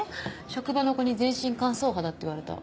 職場の子に全身乾燥肌って言われた。